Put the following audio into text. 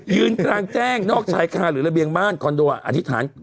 กลางแจ้งนอกชายคาหรือระเบียงบ้านคอนโดอธิษฐาน